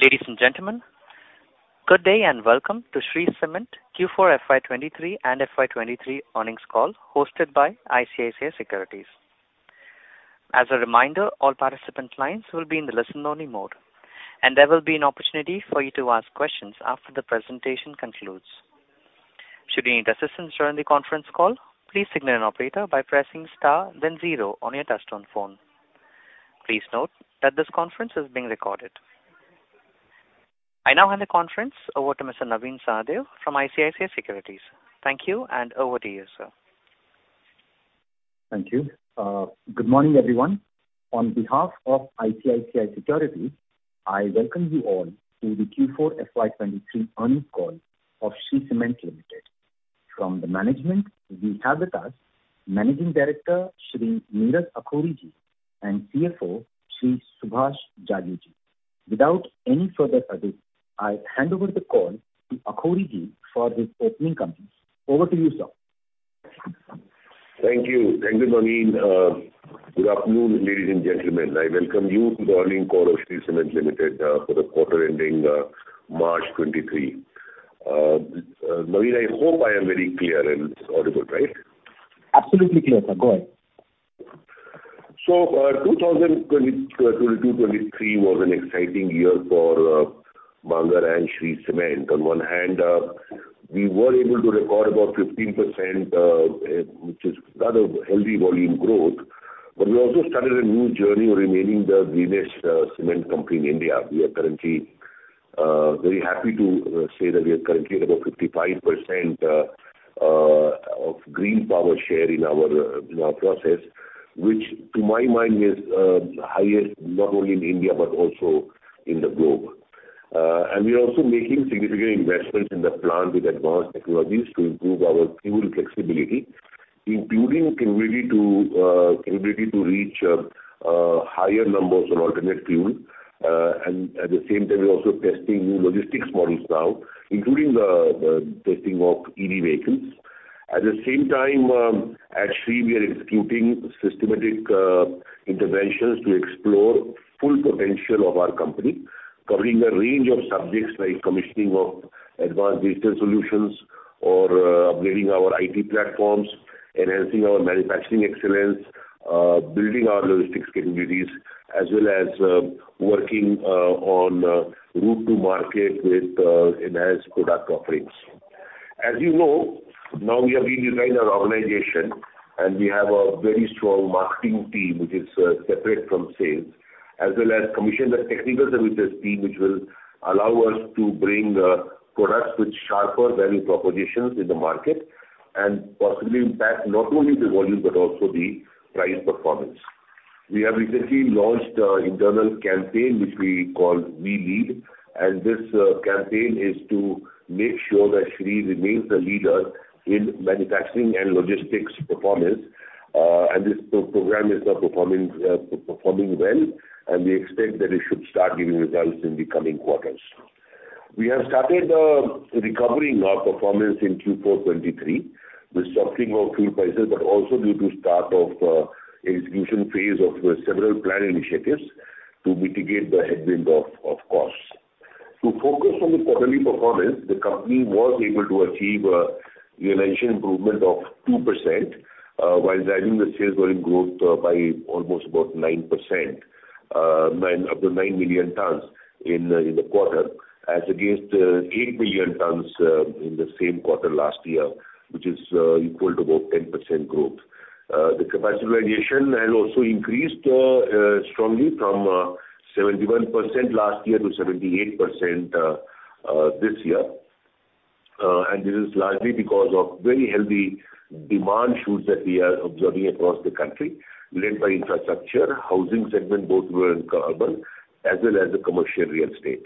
Ladies and gentlemen, good day and welcome to Shree Cement fourth quarter FY 2023 and FY 2023 earnings call hosted by ICICI Securities. As a reminder, all participant lines will be in the listen-only mode, and there will be an opportunity for you to ask questions after the presentation concludes. Should you need assistance during the conference call, please signal an operator by pressing star then zero on your touchtone phone. Please note that this conference is being recorded. I now hand the conference over to Mr. Navin Sahadeo from ICICI Securities. Thank you. Over to you, sir. Thank you. Good morning, everyone. On behalf of ICICI Securities, I welcome you all to the fourth quarter FY 2023 earnings call of Shree Cement Limited. From the management, we have with us Managing Director, Shree Neeraj Akhoury, and CFO, Shree Subhash Jajoo. Without any further ado, I hand over the call to Akhoury for his opening comments. Over to you, sir. Thank you. Thank you, Navin. Good afternoon, ladies and gentlemen. I welcome you to the earnings call of Shree Cement Limited for the quarter ending March 2023. Navin, I hope I am very clear and audible, right? Absolutely clear, sir. Go ahead. 2022, 2023 was an exciting year for Mangalam Cement and Shree Cement. On one hand, we were able to record about 15%, which is rather healthy volume growth, we also started a new journey remaining the greenest cement company in India. We are currently very happy to say that we are currently at about 55% of green power share in our process, which to my mind is highest not only in India but also in the globe. We are also making significant investments in the plant with advanced technologies to improve our fuel flexibility, including ability to reach higher numbers on alternate fuel. At the same time, we're also testing new logistics models now, including the testing of EV vehicles. At the same time, at Shree we are executing systematic interventions to explore full potential of our company, covering a range of subjects like commissioning of advanced digital solutions or upgrading our IT platforms, enhancing our manufacturing excellence, building our logistics capabilities, as well as working on route to market with enhanced product offerings. As you know, now we have redesigned our organization, and we have a very strong marketing team which is separate from sales, as well as commissioned a technical services team, which will allow us to bring products with sharper value propositions in the market and possibly impact not only the volume but also the price performance. We have recently launched a internal campaign which we call We Lead, and this campaign is to make sure that Shree remains the leader in manufacturing and logistics performance. This program is performing well, and we expect that it should start giving results in the coming quarters. We have started recovering our performance in fourth quarter 2023 with softening of fuel prices, also due to start of execution phase of several plant initiatives to mitigate the headwind of costs. To focus on the quarterly performance, the company was able to achieve a margin improvement of 2% while driving the sales volume growth by almost about 9% up to 9 million tons in the quarter, as against 8 million tons in the same quarter last year, which is equal to about 10% growth. The capacity utilization has also increased strongly from 71% last year to 78% this year. This is largely because of very healthy demand shoots that we are observing across the country led by infrastructure, housing segment, both rural and urban, as well as the commercial real estate.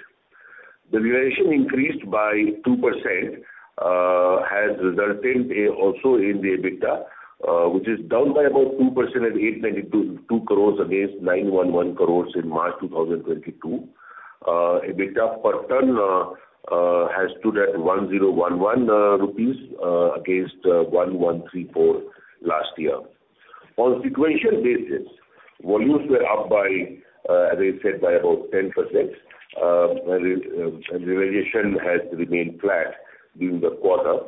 The realization increased by 2%, has resulted also in the EBITDA, which is down by about 2% at 892 crores against 911 crores in March 2022. EBITDA per tonne has stood at 1,011 rupees against 1,134 last year. On sequential basis, volumes were up by, as I said, by about 10%. Realization has remained flat during the quarter.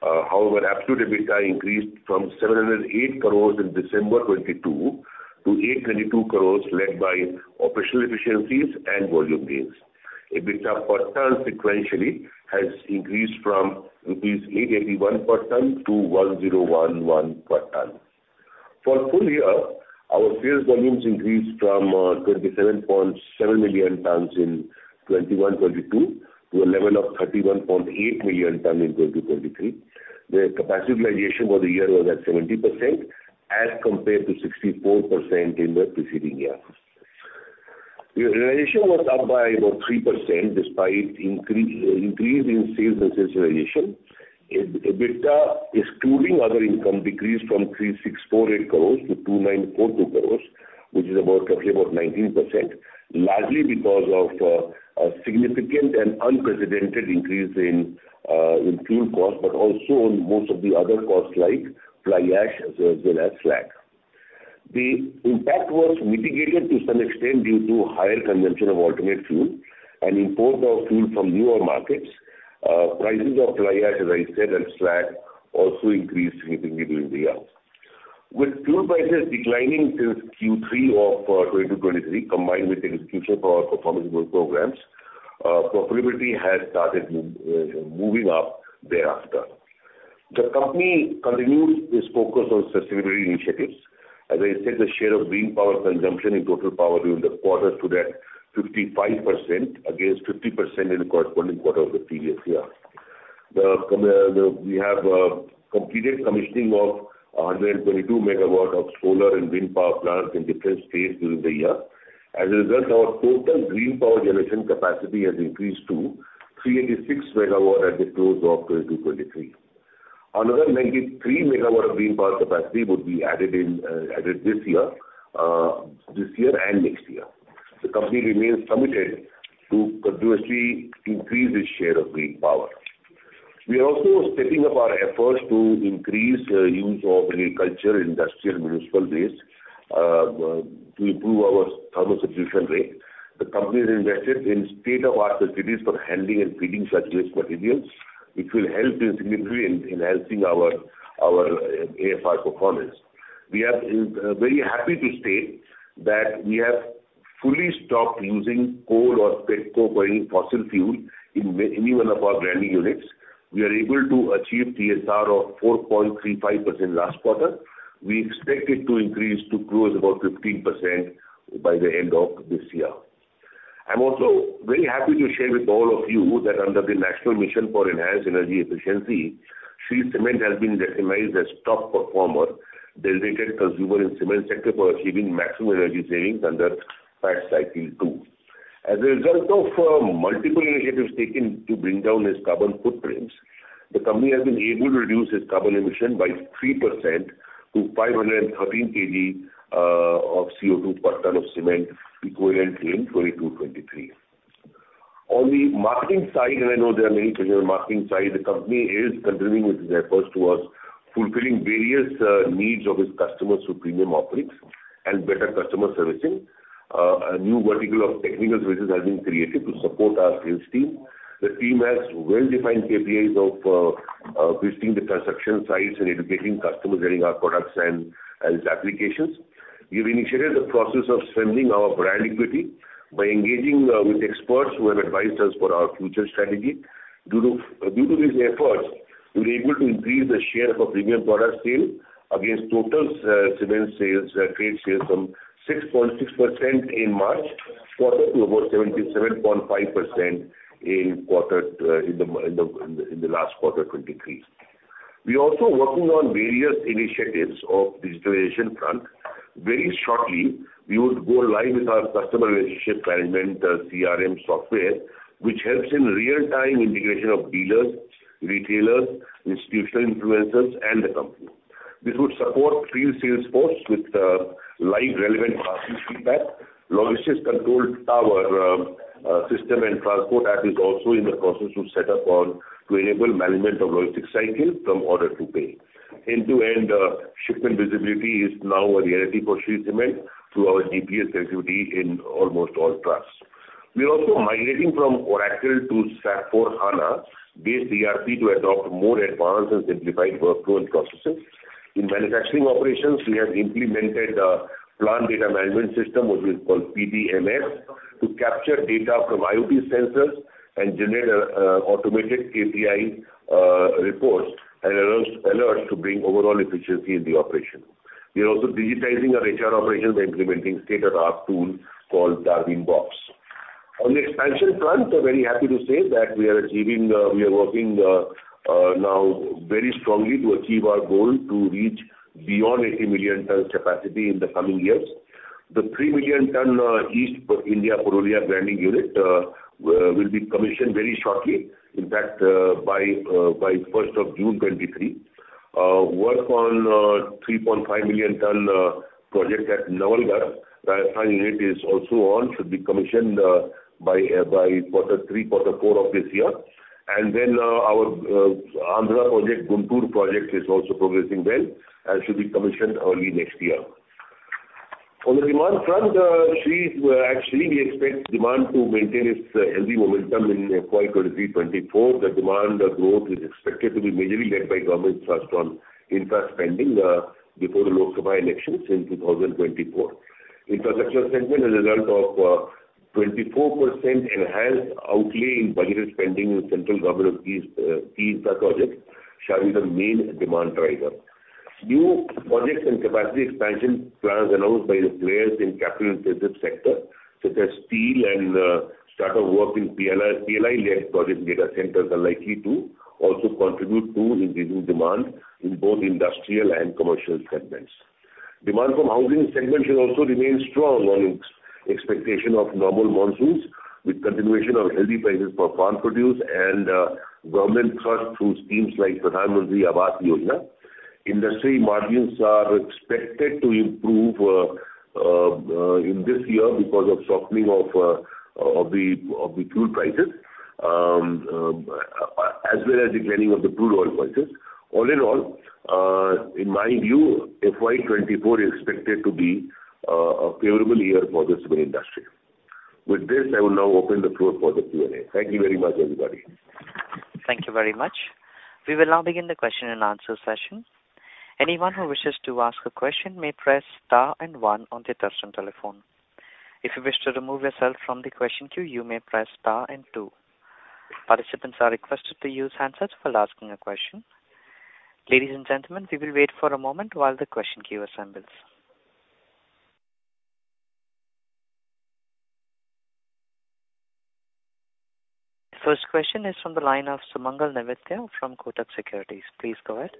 However, absolute EBITDA increased from 708 crores in December 2022 to 892 crores, led by operational efficiencies and volume gains. EBITDA per ton sequentially has increased from rupees 881 per ton to 1,011 per ton. For full year, our sales volumes increased from 27.7 million tons in 2021 to 2022 to a level of 31.8 million tons in 2023. The capacity utilization for the year was at 70% as compared to 64% in the preceding year. Realization was up by about 3% despite increase in sales and sales realization. EBITDA, excluding other income, decreased from 3,648 to 2,942 crores, which is about roughly about 19%, largely because of a significant and unprecedented increase in fuel costs, but also in most of the other costs like fly ash as well as slag. The impact was mitigated to some extent due to higher consumption of alternate fuel and import of fuel from newer markets. Prices of fly ash, as I said, and slag also increased significantly during the year. With fuel prices declining since third quarter of 2023, combined with execution for our performance programs, profitability has started moving up thereafter. The company continues its focus on sustainability initiatives. As I said, the share of green power consumption in total power during the quarter stood at 55% against 50% in the corresponding quarter of the previous year. We have completed commissioning of 122 MW of solar and wind power plants in different states during the year. As a result, our total green power generation capacity has increased to 386 MW at the close of 2023. Another 93 MW of green power capacity would be added this year and next year. The company remains committed to continuously increase its share of green power. We are also stepping up our efforts to increase use of agricultural, industrial, municipal waste to improve our thermal substitution rate. The company has invested in state-of-the-art facilities for handling and feeding such waste materials, which will help significantly in enhancing our AFR performance. We are very happy to state that we have fully stopped using coal or petcoke and fossil fuel in any one of our grinding units. We are able to achieve TSR of 4.35% last quarter. We expect it to increase to close about 15% by the end of this year. I'm also very happy to share with all of you that under the National Mission for Enhanced Energy Efficiency, Shree Cement has been recognized as top performer dedicated consumer in cement sector for achieving maximum energy savings under PAT Cycle II. As a result of multiple initiatives taken to bring down its carbon footprints, the company has been able to reduce its carbon emission by 3% to 513 kg of CO2 per ton of cement equivalent in 2023. On the marketing side, I know there are many things on marketing side, the company is continuing with its efforts towards fulfilling various needs of its customers through premium offerings and better customer servicing. A new vertical of technical services has been created to support our sales team. The team has well-defined KPIs of visiting the construction sites and educating customers during our products and its applications. We've initiated the process of strengthening our brand equity by engaging with experts who have advised us for our future strategy. Due to these efforts, we were able to increase the share of our premium product sale against total cement sales, trade sales from 6.6% in March quarter to over 77.5% in the last quarter 2023. We're also working on various initiatives of digitalization front. Very shortly, we would go live with our customer relationship management, CRM software, which helps in real-time integration of dealers, retailers, institutional influencers, and the company. This would support field sales force with live relevant customer feedback. Logistics control tower system and transport app is also in the process to set up on to enable management of logistics cycle from order to pay. End-to-end shipment visibility is now a reality for Shree Cement through our GPS activity in almost all trucks. We are also migrating from Oracle to SAP S/4HANA-based ERP to adopt more advanced and simplified workflow and processes. In manufacturing operations, we have implemented a plant data management system, which is called PDMS, to capture data from IoT sensors and generate automated KPI reports and alerts to bring overall efficiency in the operation. We are also digitizing our HR operations by implementing state-of-art tool called Darwinbox. On the expansion front, we're very happy to say that we are achieving, we are working now very strongly to achieve our goal to reach beyond 80 million ton capacity in the coming years. The 3 million ton East India Korba grinding unit will be commissioned very shortly, in fact, by 1 June 2023. Work on 3.5 million ton project at Nawalgarh grinding unit is also on, should be commissioned by quarter three, quarter four of this year. Our Andhra project, Guntur project is also progressing well and should be commissioned early next year. On the demand front, actually we expect demand to maintain its healthy momentum in FY 2023 to 2024. The demand growth is expected to be majorly led by government's strong infra spending before the Lok Sabha elections in 2024. Infrastructure segment as a result of 24% enhanced outlay in budget spending with central government's key infra projects shall be the main demand driver. New projects and capacity expansion plans announced by the players in capital-intensive sector, such as steel and start of work in PLI led project data centers are likely to also contribute to increasing demand in both industrial and commercial segments. Demand from housing segment should also remain strong on expectation of normal monsoons, with continuation of healthy prices for farm produce and government thrust through schemes like Pradhan Mantri Awas Yojana. Industry margins are expected to improve in this year because of softening of the fuel prices, as well as declining of the crude oil prices. All in all, in my view, FY 2024 is expected to be a favorable year for the steel industry. With this, I will now open the floor for the Q&A. Thank you very much, everybody. Thank you very much. We will now begin the question and answer session. Anyone who wishes to ask a question may press star and one on their touchtone telephone. If you wish to remove yourself from the question queue you may press star and two. Participants are requested to use handsets while asking a question. Ladies and gentlemen, we will wait for a moment while the question queue assembles. First question is from the line of Sumangal Nevatia from Kotak Securities. Please go ahead.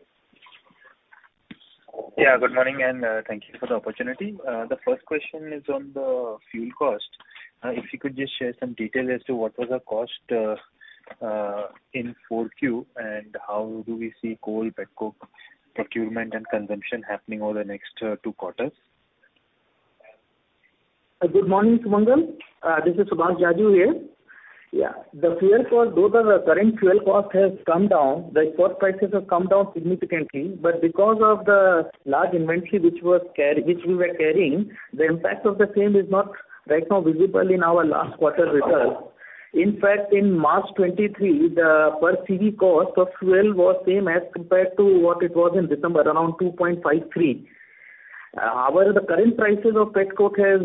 Yeah, good morning, and thank you for the opportunity. The first question is on the fuel cost. If you could just share some detail as to what was the cost in fourth quarter and how do we see coal, pet coke procurement and consumption happening over the next two quarters? Good morning, Sumangal. This is Subhash Jajoo here. The fuel cost, though the current fuel cost has come down, the export prices have come down significantly, but because of the large inventory which we were carrying, the impact of the same is not right now visible in our last quarter results. In fact, in March 2023, the per tonne cost of fuel was same as compared to what it was in December, around 2.53. However, the current prices of pet coke has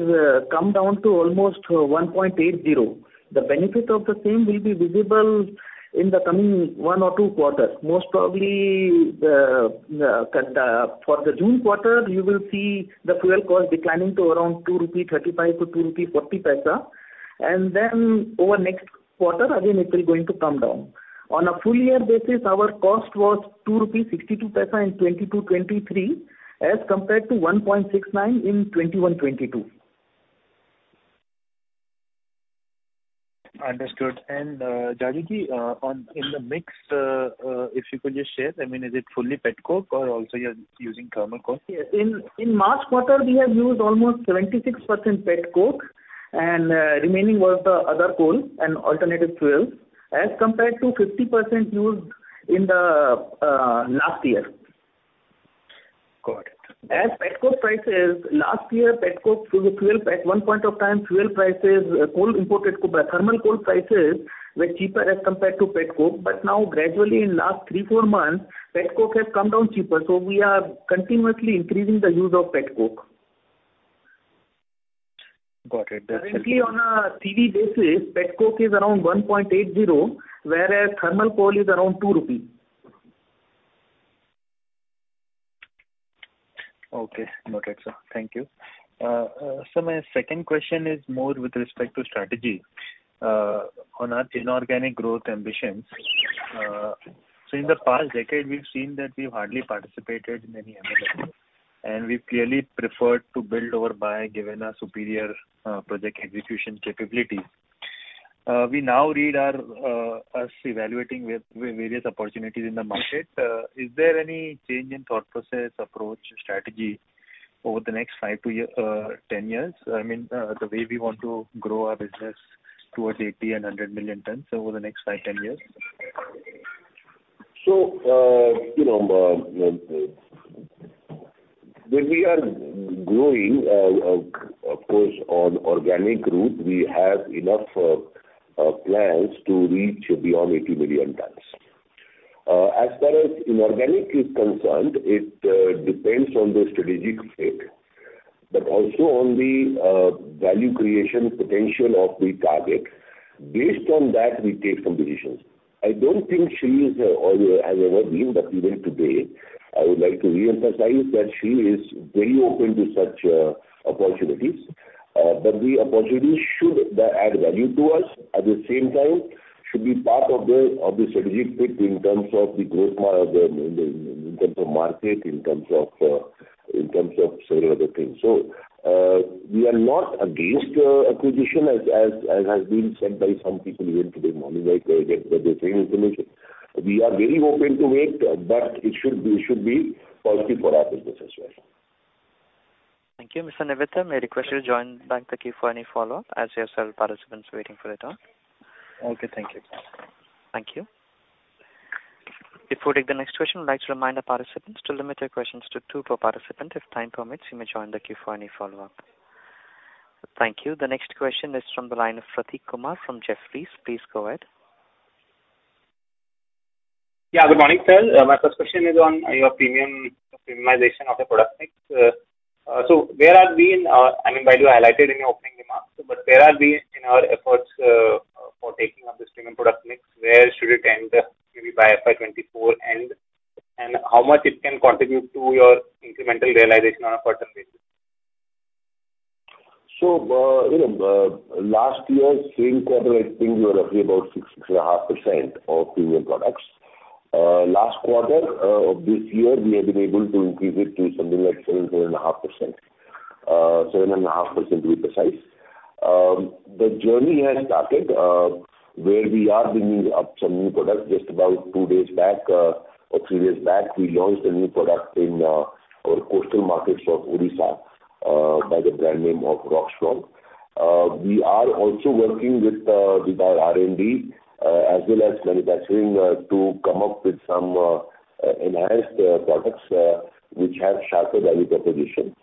come down to almost 1.80. The benefit of the same will be visible in the coming one or two quarters. Most probably for the June quarter you will see the fuel cost declining to around 2.35 rupees to 2.40. Over next quarter again it is going to come down. On a full year basis our cost was 2.62 rupees in 2022 to 2023 as compared to 1.69 in 2021 to 2022. Understood. Jajoo, on, in the mix, if you could just share, I mean, is it fully pet coke or also you're using thermal coke? Yes. In March quarter we have used almost 76% pet coke and remaining was the other coal and alternative fuels as compared to 50% used in the last year. Got it. As pet coke prices, last year pet coke was a fuel. At one point of time fuel prices, coal imported thermal coal prices were cheaper as compared to pet coke. Now gradually in last three, four months, pet coke has come down cheaper. We are continuously increasing the use of pet coke. Got it. Recently on a tonne basis, pet coke is around 1.80, whereas thermal coal is around 2 rupees. Okay. Noted, sir. Thank you. Sir, my second question is more with respect to strategy, on our inorganic growth ambitions. In the past decade we've seen that we've hardly participated in any M&A, and we've clearly preferred to build over by giving a superior project execution capability. We now read our, us evaluating with various opportunities in the market. Is there any change in thought process, approach or strategy over the next 10 years? I mean, the way we want to grow our business towards 80 and 100 million tons over the next five, 10 years. You know, when we are growing, of course on organic route, we have enough plans to reach beyond 80 million tons. As far as inorganic is concerned it depends on the strategic fit, but also on the value creation potential of the target. Based on that we take some decisions. I don't think JSW has ever been, even today I would like to re-emphasize that JSW is very open to such opportunities. The opportunity should add value to us, at the same time should be part of the strategic fit in terms of the growth model, in terms of market, in terms of several other things. We are not against acquisition as has been said by some people even today morning, that they're saying information. We are very open to it, but it should be positive for our business as well. Thank you. Mr. Nevatia, may I request you to join back the queue for any follow-up as there are several participants waiting for their turn. Okay. Thank you. Thank you. Before we take the next question, I'd like to remind our participants to limit your questions to two per participant. If time permits you may join the queue for any follow-up. Thank you. The next question is from the line of Prateek Kumar from Jefferies. Please go ahead. Yeah. Good morning, sir. My first question is on your premiumization of your product mix. Where are we in, I mean, by the way you highlighted in your opening remarks, where are we in our efforts for taking up this premium product mix? Where should it end, maybe by FY 2024 end, how much it can contribute to your incremental realization on a per ton basis? You know, last year same quarter I think we were roughly about 6% to 6.5% of premium products. Last quarter of this year we have been able to increase it to something like 7% to 7.5%. 7.5% to be precise. The journey has started where we are bringing up some new products. Just about two days back, or three days back, we launched a new product in our coastal markets of Odisha by the brand name of Rockstrong. We are also working with our R&D as well as manufacturing to come up with some enhanced products which have sharper value proposition.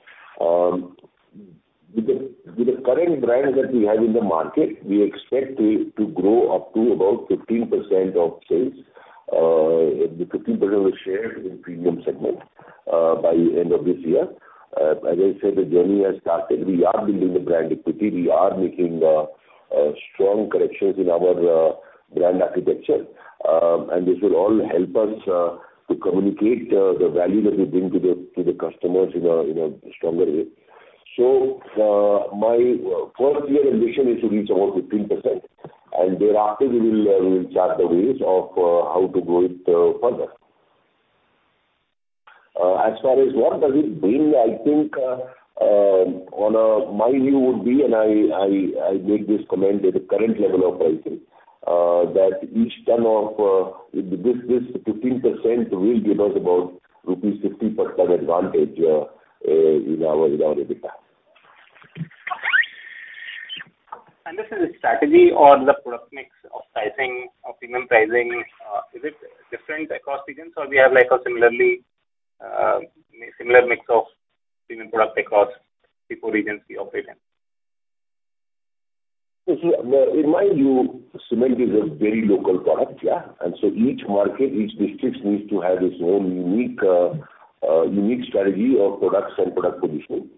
With the current brands that we have in the market, we expect to grow up to about 15% of sales, the 15% of the share in premium segment, by end of this year. As I said, the journey has started. We are building the brand equity. We are making strong corrections in our brand architecture. This will all help us to communicate the value that we bring to the customers in a stronger way. My first-year ambition is to reach about 15%, and thereafter we will chart the ways of how to grow it further. As far as what does it bring, I think my view would be, and I make this comment at the current level of pricing, that each ton of this 15% will give us about rupees 50 per ton advantage in our EBITDA. Is it a strategy or the product mix of pricing or premium pricing? Is it different across regions or we have like a similarly, similar mix of premium product across the four regions we operate in? See, in mind you, cement is a very local product. Yeah. Each market, each district needs to have its own unique strategy of products and product positioning.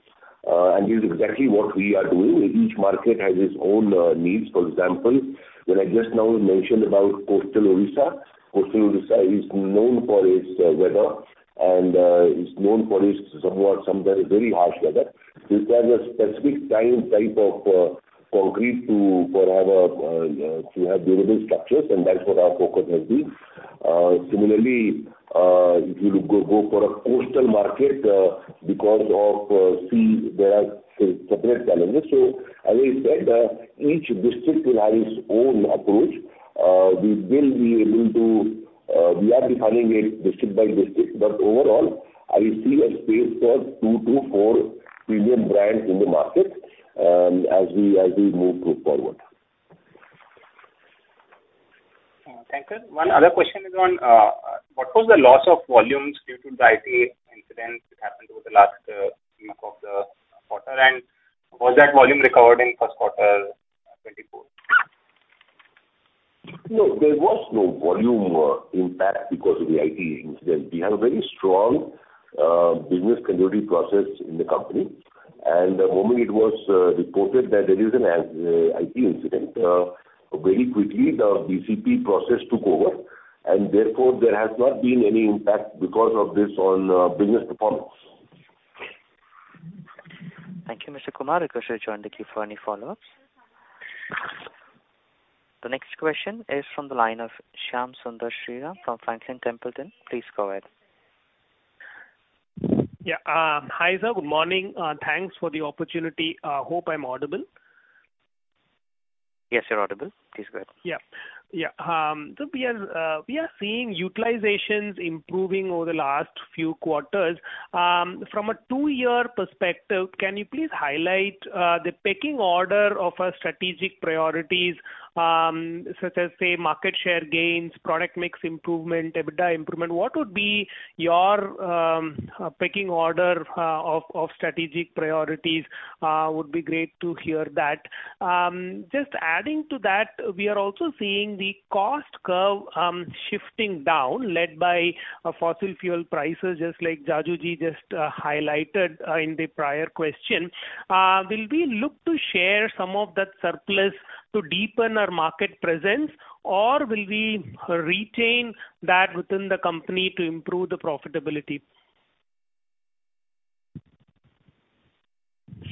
This is exactly what we are doing. Each market has its own needs. For example, when I just now mentioned about coastal Odisha. Coastal Odisha is known for its weather and is known for its somewhat, sometimes very harsh weather. This has a specific kind, type of, concrete to, for our, to have durable structures, and that's what our focus has been. Similarly, if you go for a coastal market, because of sea, there are separate challenges. As I said, each district will have its own approach. We will be able to, we are defining it district by district. Overall, I see a space for two to four premium brands in the market, as we move forward. Thank you. One other question is on what was the loss of volumes due to the IT incident that happened over the last week of the quarter? Was that volume recovered in first quarter 2024? No, there was no volume impact because of the IT incident. We have a very strong business continuity process in the company. The moment it was reported that there is an IT incident, very quickly the BCP process took over, and therefore there has not been any impact because of this on business performance. Thank you, Mr. Kumar. You can stay joined on the queue for any follow-ups. The next question is from the line of Shyam Sundar Sriram from Franklin Templeton. Please go ahead. Yeah. Hi sir. Good morning. Thanks for the opportunity. Hope I'm audible. Yes, you're audible. Please go ahead. Yeah. Yeah. We are seeing utilizations improving over the last few quarters. From a two-year perspective, can you please highlight the pecking order of strategic priorities, such as, say, market share gains, product mix improvement, EBITDA improvement? What would be your pecking order of strategic priorities? Would be great to hear that. Just adding to that, we are also seeing the cost curve shifting down, led by fossil fuel prices, just like Jajoo just highlighted in the prior question. Will we look to share some of that surplus to deepen our market presence, or will we retain that within the company to improve the profitability?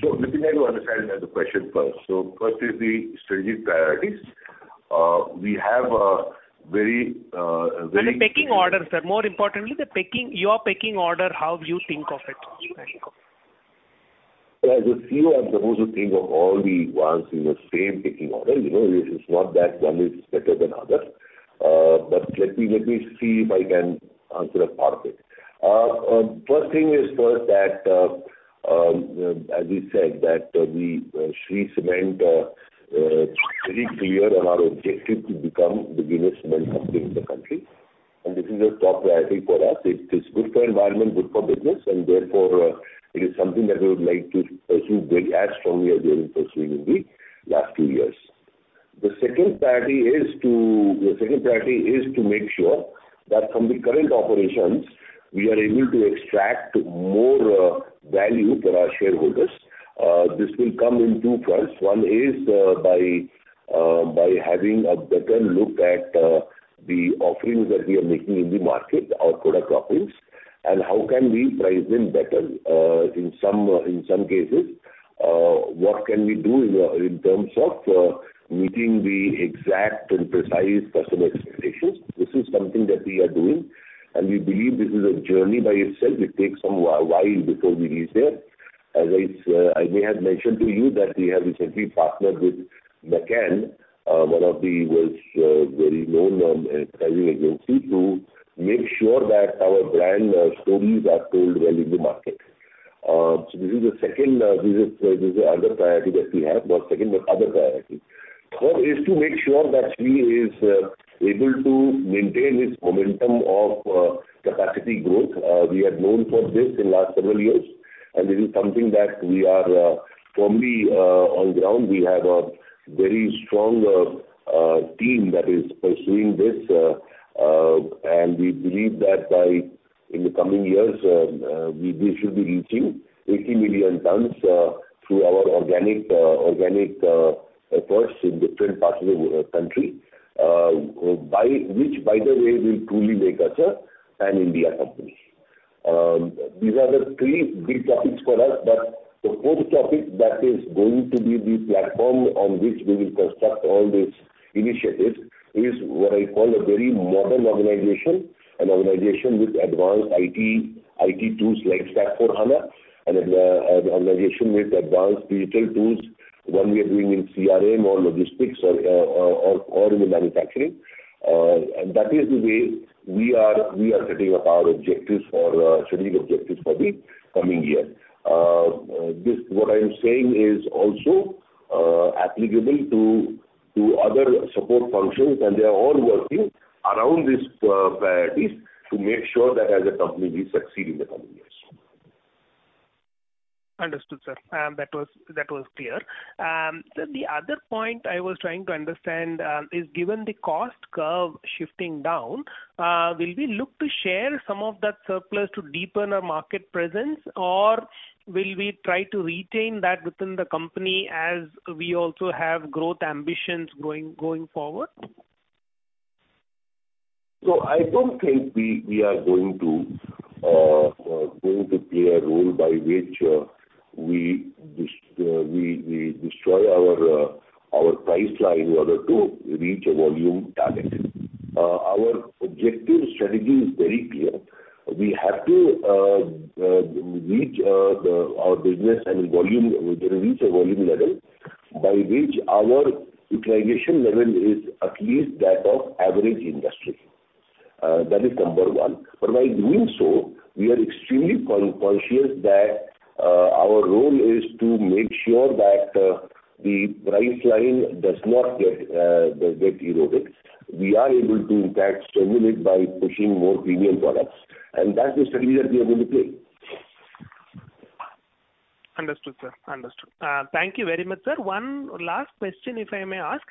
Let me try to understand the question first. First is the strategic priorities. We have a very. The pecking order, sir. More importantly, your pecking order, how you think of it. As a CEO, I'm supposed to think of all the ones in the same pecking order. You know, it is not that one is better than other. Let me see if I can answer a part of it. First thing is first that, as we said, that we, Shree Cement, is very clear on our objective to become the biggest cement company in the country. This is a top priority for us. It is good for environment, good for business. Therefore, it is something that we would like to pursue very, as strongly as we have been pursuing in the last few years. The second priority is to make sure that from the current operations, we are able to extract more value for our shareholders. This will come in two parts. One is, by having a better look at the offerings that we are making in the market, our product offerings, and how can we price them better. In some cases, what can we do in terms of meeting the exact and precise customer expectations? This is something that we are doing, and we believe this is a journey by itself. It takes some while before we reach there. As we have mentioned to you that we have recently partnered with McCann, one of the world's very known advertising agency to make sure that our brand stories are told well in the market. This is the second, this is other priority that we have. Not second, but other priority. Third is to make sure that Shree is able to maintain its momentum of capacity growth. We are known for this in last several years. This is something that we are firmly on ground. We have a very strong team that is pursuing this. We believe that in the coming years, we should be reaching 80 million tons through our organic efforts in different parts of the country, by which by the way will truly make us an India company. These are the three big topics for us. The fourth topic that is going to be the platform on which we will construct all these initiatives is what I call a very modern organization. An organization with advanced IT tools like SAP S/4HANA and an organization with advanced digital tools, one we are doing in CRM or logistics or in the manufacturing. That is the way we are setting up our objectives for strategic objectives for the coming year. This what I am saying is also applicable to other support functions, and they are all working around these priorities to make sure that as a company we succeed in the coming years. Understood, sir. That was clear. The other point I was trying to understand, is given the cost curve shifting down, will we look to share some of that surplus to deepen our market presence, or will we try to retain that within the company as we also have growth ambitions going forward? I don't think we are going to play a role by which we destroy our price line in order to reach a volume target. Our objective strategy is very clear. We have to reach our business and volume, you know, reach a volume level by which our utilization level is at least that of average industry. That is number one. While doing so, we are extremely conscious that our role is to make sure that the price line does not get does get eroded. We are able to, in fact, stimulate by pushing more premium products. That's the strategy that we are going to play. Understood, sir. Understood. Thank you very much, sir. One last question, if I may ask.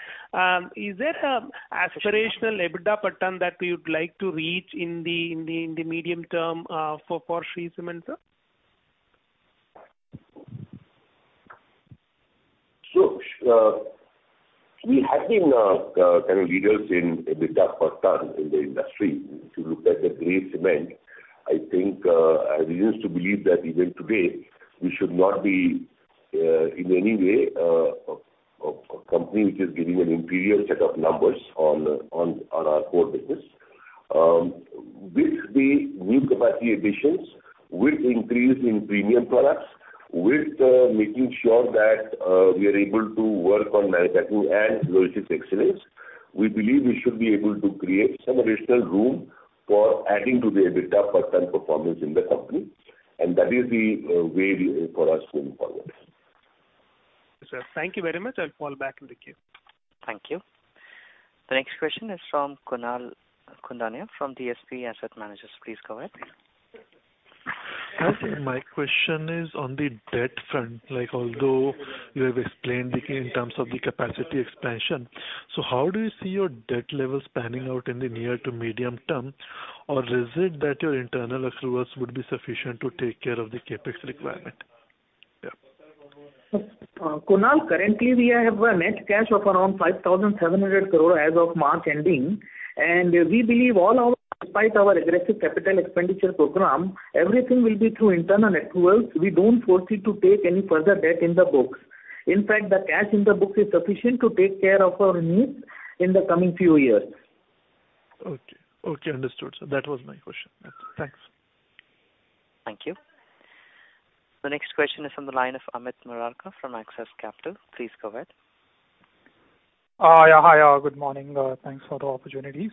Is there a aspirational EBITDA per ton that we would like to reach in the medium term, for Shree Cement, sir? We have been kind of leaders in EBITDA per ton in the industry. If you look at the gray cement, I think, I refuse to believe that even today we should not be in any way a company which is giving an inferior set of numbers on our core business. With the new capacity additions, with increase in premium products, with making sure that we are able to work on Maripatu and logistics excellence, we believe we should be able to create some additional room for adding to the EBITDA per ton performance in the company, and that is the way we, for us going forward. Yes, sir. Thank you very much. I'll fall back in the queue. Thank you. The next question is from Kunal Khudania from DSP Asset Managers. Please go ahead. Hi. My question is on the debt front, like although you have explained in terms of the capacity expansion. How do you see your debt levels panning out in the near to medium term? Is it that your internal accruals would be sufficient to take care of the CapEx requirement? Yeah. Kunal, currently we have a net cash of around 5,700 crore as of March ending. We believe all our, despite our aggressive capital expenditure program, everything will be through internal accruals. We don't foresee to take any further debt in the books. In fact, the cash in the books is sufficient to take care of our needs in the coming few years. Okay. Okay. Understood, sir. That was my question. Thanks. Thank you. The next question is from the line of Amit Marwaha from Axis Capital. Please go ahead. Yeah. Hi, good morning. Thanks for the opportunity.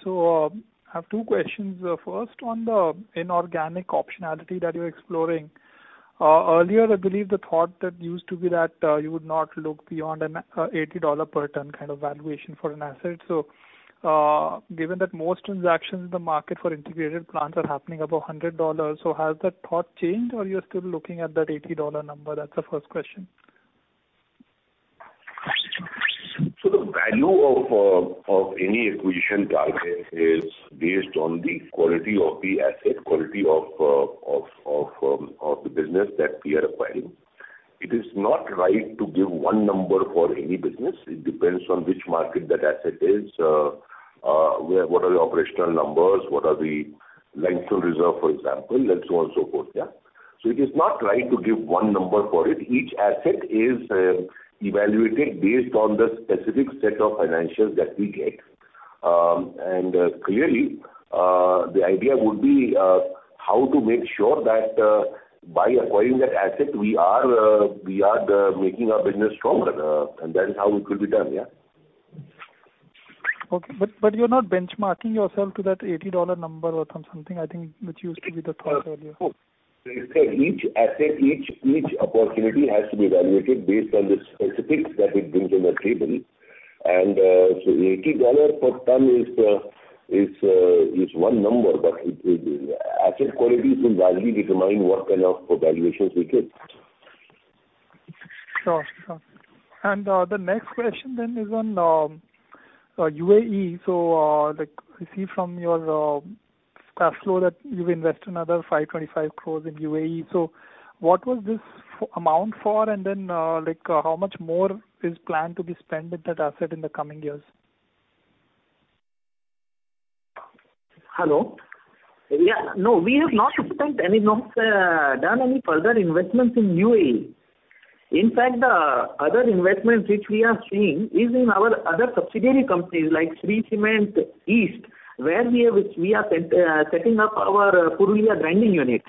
I have two questions. First, on the inorganic optionality that you're exploring. Earlier, I believe the thought that used to be that, you would not look beyond an $80 per ton kind of valuation for an asset. Given that most transactions in the market for integrated plants are happening above $100, has that thought changed or you're still looking at that $80 number? That's the first question. The value of any acquisition target is based on the quality of the asset, quality of the business that we are acquiring. It is not right to give one number for any business. It depends on which market that asset is, where, what are the operational numbers, what are the landfill reserve, for example, and so on, so forth. Yeah. It is not right to give one number for it. Each asset is evaluated based on the specific set of financials that we get. Clearly, the idea would be how to make sure that by acquiring that asset, we are making our business stronger. That is how it will be done. Yeah. Okay. you're not benchmarking yourself to that $80 number or something, I think, which used to be the thought earlier. Of course. Each asset, each opportunity has to be evaluated based on the specifics that it brings on the table. $80 per ton is one number, but it asset quality will largely determine what kind of evaluations we get. Sure, sure. The next question then is on UAE. Like, I see from your cash flow that you've invested another 525 crores in UAE. So what was this amount for? Then, like, how much more is planned to be spent with that asset in the coming years? Hello? Yeah. No, we have not done any further investments in UAE. In fact, the other investments which we are seeing is in our other subsidiary companies like Shree Cement East, where we are setting up our Purulia grinding unit.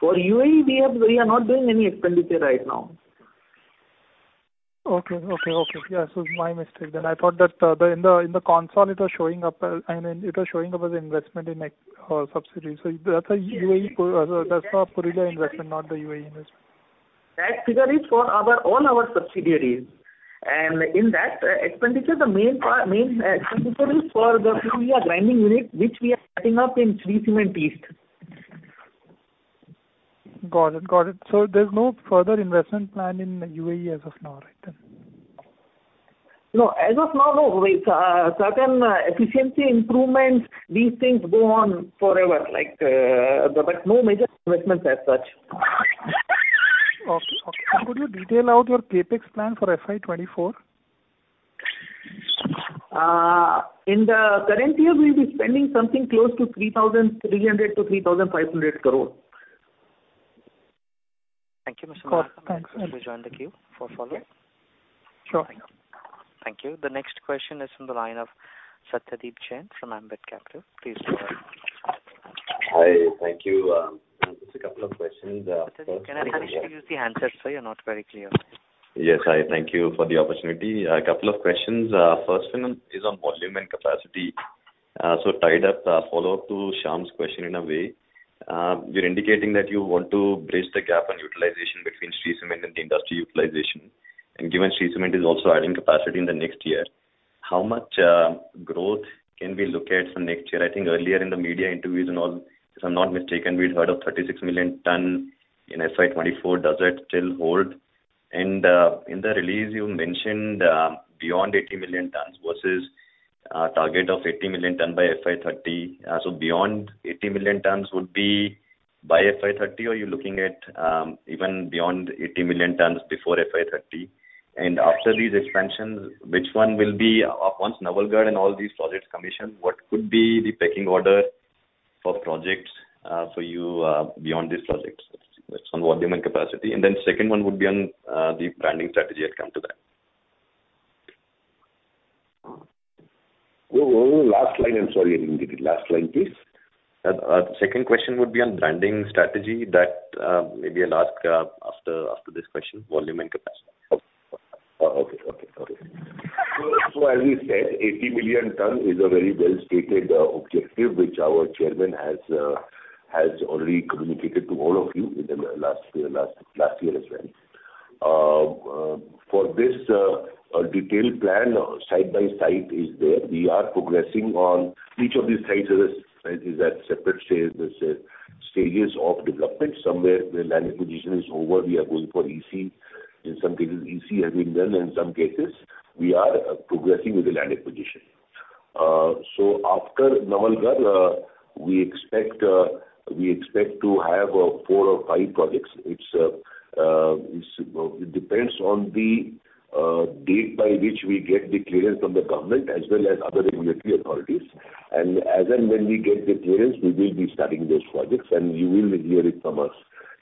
For UAE, we are not doing any expenditure right now. Okay, okay. Yeah. My mistake then. I thought that, in the console, it was showing up, and it was showing up as investment in like subsidiary. That's a UAE. Yes. That's a Purulia investment, not the UAE investment. That figure is for all our subsidiaries. In that expenditure, the main expenditure is for the Purulia grinding unit, which we are setting up in Shree Cement East. Got it. Got it. There's no further investment plan in UAE as of now, right then? No. As of now, no. Certain efficiency improvements, these things go on forever, like, but no major investments as such. Okay. Okay. Could you detail out your CapEx plan for FY 2024? In the current year we'll be spending something close to 3,300 to 3,500 crore. Thank you... [inaudible] Got it. Thanks. You may join the queue for follow-up. Sure. Thank you. The next question is from the line of Satyadeep Jain from Ambit Capital. Please go ahead. Hi. Thank you. Just a couple of questions. First one. Satyadeep, can I request you to use the handset sir? You're not very clear. Yes. Hi. Thank you for the opportunity. A couple of questions. First one is on volume and capacity. Tied up a follow-up to Shyam's question in a way. You're indicating that you want to bridge the gap on utilization between Shree Cement and the industry utilization. Given Shree Cement is also adding capacity in the next year, how much growth can we look at for next year? I think earlier in the media interviews and all, if I'm not mistaken, we'd heard of 36 million ton in FY 2024. Does that still hold? In the release you mentioned, beyond 80 million tons versus target of 80 million ton by FY 2030. Beyond 80 million tons would be by FY 2030, or you're looking at even beyond 80 million tons before FY 2030? After these expansions, Once Nawalgarh and all these projects commission, what could be the pecking order for projects, for you, beyond these projects? That's on volume and capacity. Then second one would be on, the branding strategy, I come to that. One last line. I'm sorry. I didn't get it. Last line, please. The second question would be on branding strategy that maybe I'll ask after this question. Volume and capacity. Okay. Okay. Okay. As we said, 80 million ton is a very well-stated objective, which our chairman has already communicated to all of you in the last year as well. For this, a detailed plan site by site is there. We are progressing on each of these sites as a site is at separate stages of development. Somewhere the land acquisition is over. We are going for EC. In some cases EC has been done. In some cases we are progressing with the land acquisition. After Nawalgarh, we expect to have four or five projects. It depends on the date by which we get the clearance from the government as well as other regulatory authorities. As and when we get the clearance, we will be starting those projects and you will hear it from us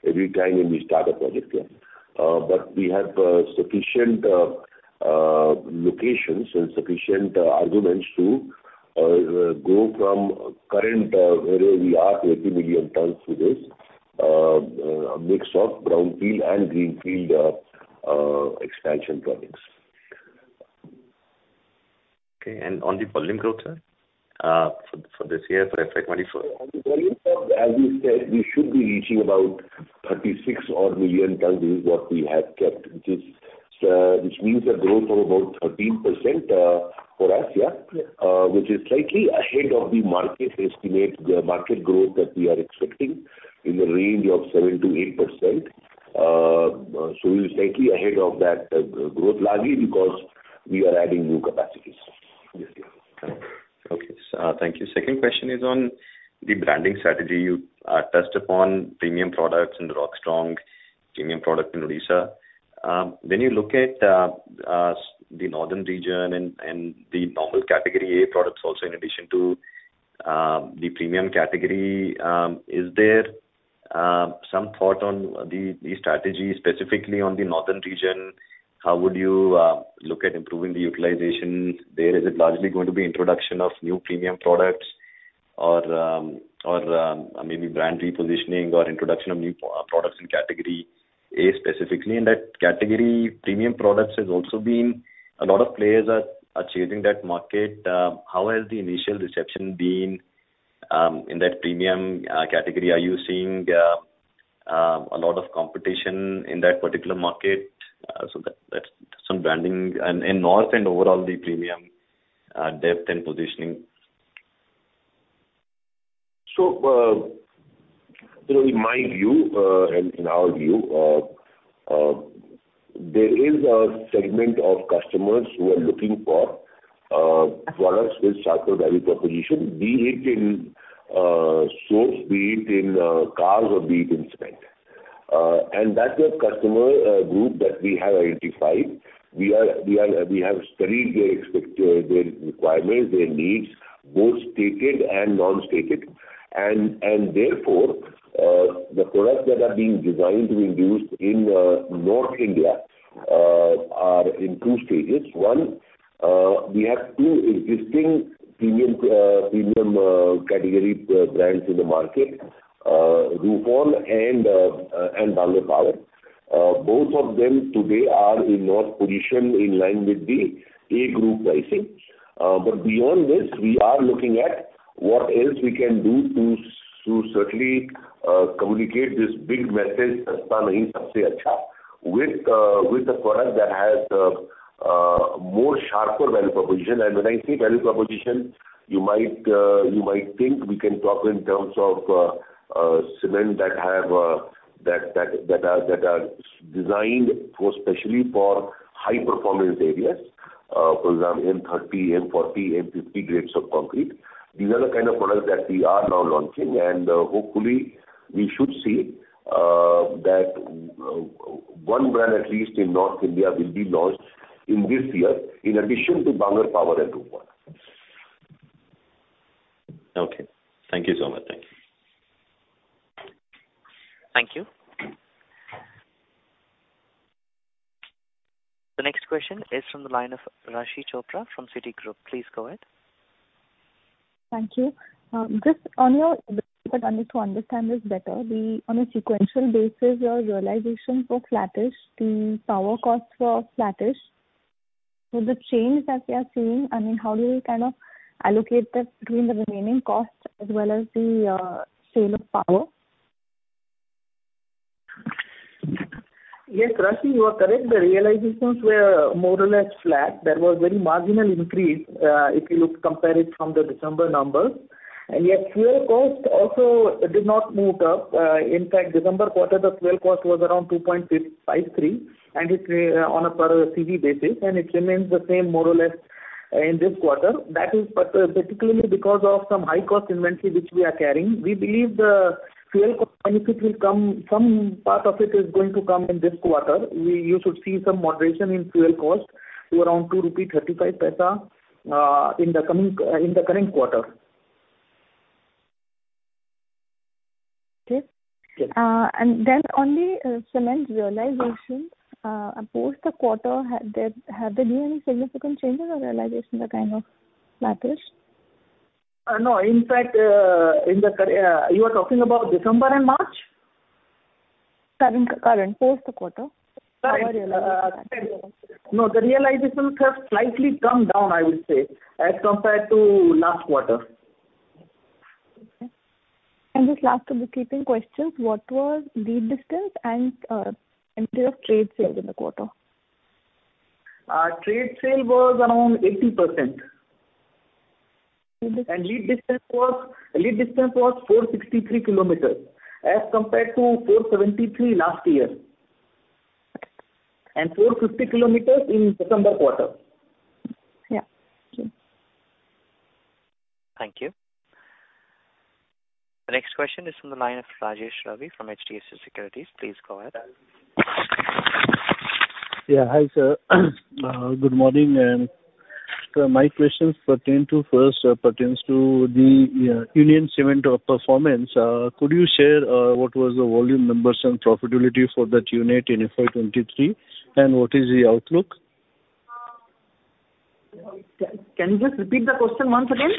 every time when we start a project. Yeah. We have sufficient locations and sufficient arguments to go from current where we are to 80 million tons with this mix of brownfield and greenfield expansion projects. Okay. On the volume growth, sir, for this year, for FY 2024. On the volume growth, as we said, we should be reaching about 36 odd million tons is what we had kept, which is, which means a growth of about 13%, for us, yeah, which is slightly ahead of the market estimate, the market growth that we are expecting in the range of 7% to 8%. We're slightly ahead of that, growth largely because we are adding new capacities this year. Okay. Thank you. Second question is on the branding strategy. You touched upon premium products in Rockstrong, premium product in Odisha. When you look at the northern region and the normal category A products also in addition to... [inaudible] is there some thought on the strategy specifically on the northern region? How would you look at improving the utilization there? Is it largely going to be introduction of new premium products or or maybe brand repositioning or introduction of new products and category, A specifically? In that category, premium products has also been, a lot of players are chasing that market. How has the initial reception been in that premium category? Are you seeing a lot of competition in that particular market? That, that's some branding and north and overall the premium depth and positioning You know, in my view, and in our view, there is a segment of customers who are looking for products with sharper value proposition, be it in source, be it in cars or be it in cement. That's a customer group that we have identified. We have studied their requirements, their needs, both stated and non-stated. Therefore, the products that are being designed to be used in North India, are in two stages. One, we have two existing premium category brands in the market, Rupal and Bangur Power. Both of them today are in north position in line with the A group pricing. Beyond this, we are looking at what else we can do to certainly communicate this big message with a product that has more sharper value proposition. When I say value proposition, you might think we can talk in terms of cement that are designed for, especially for high performance areas. For example, M-30, M-40, M-50 grades of concrete. These are the kind of products that we are now launching, and hopefully we should see that one brand, at least in North India, will be launched in this year in addition to Bangur Power and Rupal. Okay. Thank you so much. Thank you. Thank you. The next question is from the line of Raashi Chopra from Citigroup. Please go ahead. Thank you. To understand this better, the on a sequential basis, your realization for flattish, the power costs were flattish. The change that we are seeing, I mean, how do you kind of allocate that between the remaining costs as well as the sale of power? Yes, Raashi, you are correct. The realizations were more or less flat. There was very marginal increase if you look, compare it from the December numbers. Yet fuel cost also did not move up. In fact, December quarter, the fuel cost was around 2.53 on a per CV basis, and it remains the same more or less in this quarter. That is particularly because of some high cost inventory which we are carrying. We believe the fuel cost benefit will come, some part of it is going to come in this quarter. You should see some moderation in fuel cost to around 2.35 rupees in the coming in the current quarter. Okay. Okay. On the cement realization, post the quarter, have there been any significant changes or realization the kind of flattish? No. In fact, you are talking about December and March? Current post the quarter. No, the realizations have slightly come down, I would say, as compared to last quarter. Okay. Just last two bookkeeping questions. What was lead distance and in terms of trade sales in the quarter? Trade sale was around 80%. Lead distance? Lead distance was 463 kilometers as compared to 473 last year. Okay. 450 kilometers in December quarter. Yeah. Thank you. Thank you. The next question is from the line of Rajesh Ravi from HDFC Securities. Please go ahead. Yeah. Hi, sir. Good morning, and my questions pertain to, first pertains to the Union Cement of performance. Could you share what was the volume numbers and profitability for that unit in FY 2023, and what is the outlook? Can you just repeat the question once again?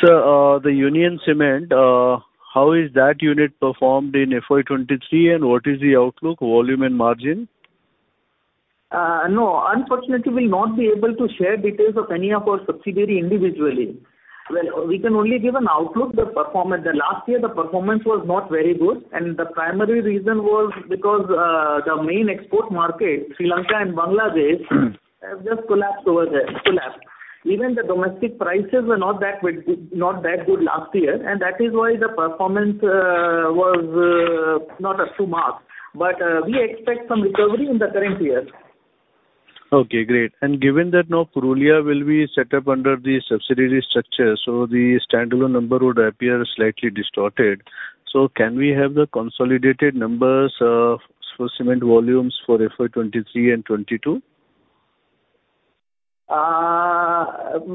Sir, the Union Cement, how is that unit performed in FY 2023, and what is the outlook volume and margin? No, unfortunately we'll not be able to share details of any of our subsidiary individually. Well, we can only give an outlook, the performance. The last year the performance was not very good, the primary reason was because the main export market, Sri Lanka and Bangladesh have just collapsed over there. Collapsed. Even the domestic prices were not that good last year, and that is why the performance was not up to mark. We expect some recovery in the current year. Okay, great. Given that now Purulia will be set up under the subsidiary structure, the standalone number would appear slightly distorted. Can we have the consolidated numbers for cement volumes for FY 2023 and 2022?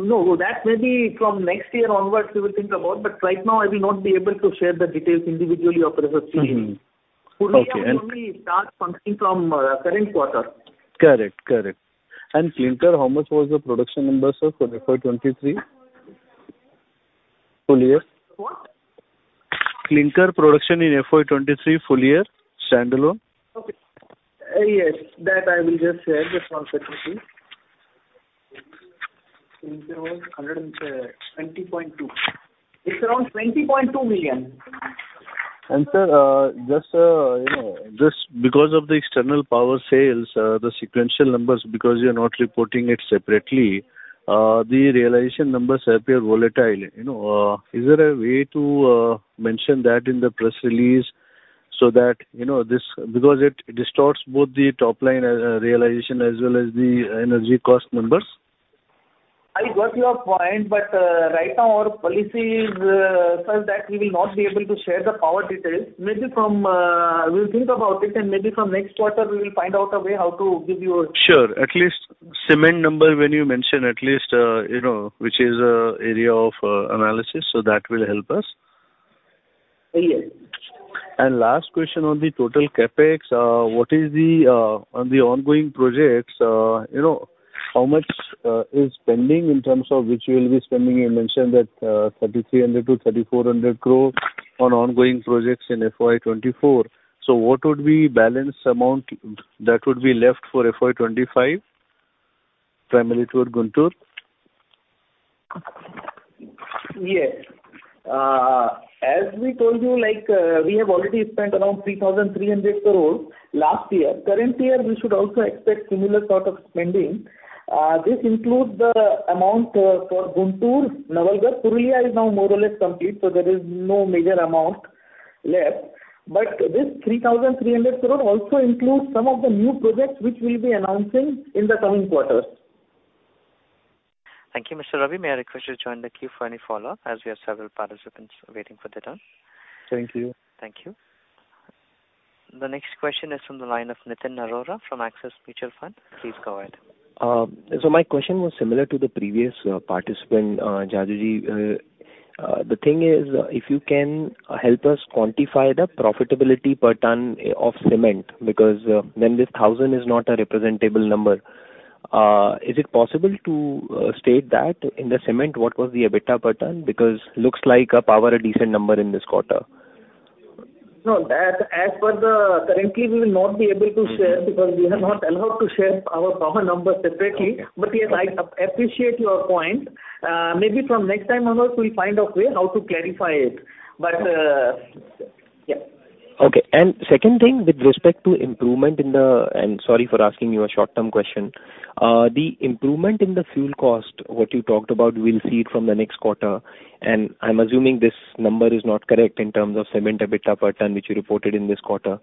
No. That may be from next year onwards we will think about, but right now I will not be able to share the details individually of the... Mm-hmm. Purulia. Okay. Purulia will only start functioning from, current quarter. Correct. Correct. Clinker, how much was the production numbers for FY 2023? Full year. What? Clinker production in FY 2023 full year standalone. Okay. Yes. That I will just share. Just one second, please. Clinker was 120.2 million. It's around 20.2 million. Sir, just, you know, just because of the external power sales, the sequential numbers because you're not reporting it separately, the realization numbers appear volatile. You know, is there a way to mention that in the press release so that, you know this... because it distorts both the top line, realization as well as the energy cost numbers. I got your point, right now our policy is such that we will not be able to share the power details. Maybe from... we'll think about it and maybe from next quarter we will find out a way how to give you. Sure. At least cement number when you mention at least, you know, which is area of analysis, so that will help us. Yes. Last question on the total CapEx. What is the on the ongoing projects, you know, how much is pending in terms of which you will be spending? You mentioned that 3,300 to 3,400 crore on ongoing projects in FY 2024. What would be balance amount that would be left for FY 2025? Primarily toward Guntur. Yes. As we told you, like, we have already spent around 3,300 crore last year. Current year, we should also expect similar sort of spending. This includes the amount for Guntur, Nawalgarh. Purulia is now more or less complete, so there is no major amount left. This 3,300 crore also includes some of the new projects which we'll be announcing in the coming quarters. Thank you, Mr. Ravi. May I request you to join the queue for any follow-up as we have several participants waiting for their turn. Thank you. Thank you. The next question is from the line of Nitin Arora from Axis Mutual Fund. Please go ahead. My question was similar to the previous participant, Jajuji. The thing is, if you can help us quantify the profitability per tonne of cement, because when this 1,000 is not a representable number, is it possible to state that in the cement, what was the EBITDA per tonne? Looks like power a decent number in this quarter. No. As per the currently we will not be able to share because we are not allowed to share our power numbers separately. Yes, I appreciate your point. Maybe from next time onwards we'll find a way how to clarify it. Yeah. Okay. Second thing with respect to, sorry for asking you a short-term question. The improvement in the fuel cost, what you talked about, we'll see it from the next quarter, and I'm assuming this number is not correct in terms of cement EBITDA per ton, which you reported in this quarter.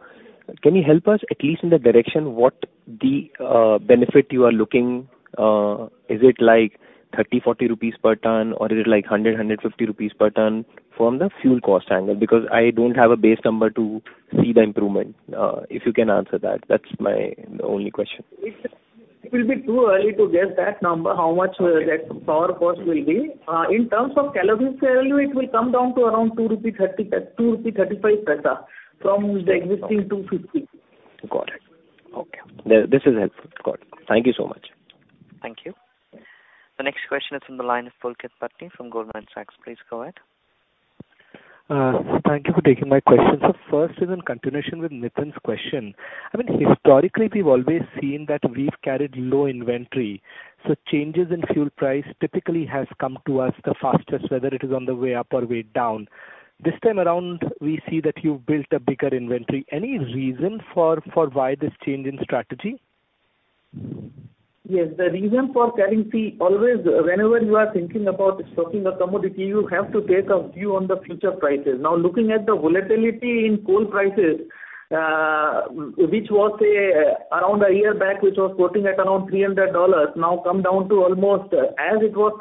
Can you help us at least in the direction what the benefit you are looking? Is it like 30 rupees, 40 rupees per ton, or is it like 100, 150 rupees per ton from the fuel cost angle? Because I don't have a base number to see the improvement. If you can answer that's my only question. It will be too early to guess that number, how much that power cost will be. In terms of calorie value, it will come down to around 2.35 rupees from the existing 2.50. Got it. Okay. This is helpful. Got it. Thank you so much. Thank you. The next question is from the line of Pulkit Patni from Goldman Sachs. Please go ahead. Thank you for taking my question. First is in continuation with Nitin's question. I mean, historically, we've always seen that we've carried low inventory, so changes in fuel price typically has come to us the fastest, whether it is on the way up or way down. This time around, we see that you've built a bigger inventory. Any reason for why this change in strategy? Yes. The reason for carrying fee, always whenever you are thinking about stocking a commodity, you have to take a view on the future prices. Now, looking at the volatility in coal prices, which was, say, around a year back, which was quoting at around $300, now come down to almost $200,